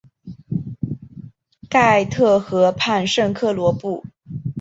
盖特河畔圣科隆布。